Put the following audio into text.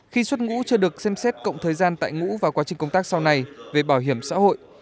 khi xuất ngũ chưa được xem xét cộng thời gian tại ngũ và quá trình công tác sau này về bảo hiểm xã hội